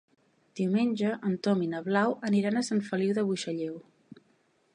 Diumenge en Tom i na Blau aniran a Sant Feliu de Buixalleu.